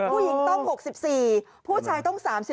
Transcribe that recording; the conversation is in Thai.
ผู้หญิงต้อง๖๔ผู้ชายต้อง๓๔